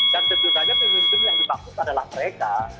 dan tentu saja pemimpin yang dibantu adalah mereka